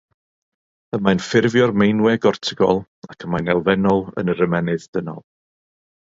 Y mae'n ffurfio'r meinwe gortigol ac y mae'n elfennol yn yr ymennydd dynol.